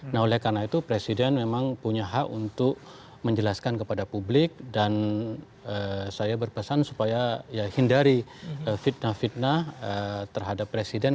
nah oleh karena itu presiden memang punya hak untuk menjelaskan kepada publik dan saya berpesan supaya ya hindari fitnah fitnah terhadap presiden